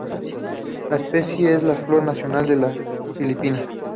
La especie es la Flor Nacional de Filipinas.